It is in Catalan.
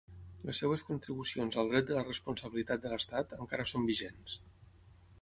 Les seves contribucions al dret de la responsabilitat de l'Estat, encara són vigents.